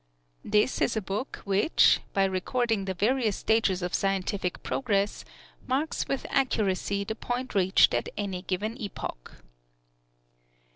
This is a book which, by recording the various stages of scientific progress, marks with accuracy the point reached at any given epoch.